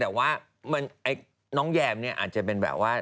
แต่ว่าน้องแยมเนี่ยอาจจะเป็นแบบว่า